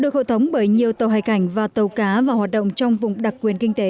được hội thống bởi nhiều tàu hải cảnh và tàu cá vào hoạt động trong vùng đặc quyền kinh tế